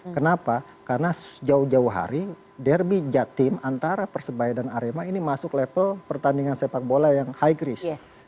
kenapa karena jauh jauh hari derby jatim antara persebaya dan arema ini masuk level pertandingan sepak bola yang high risk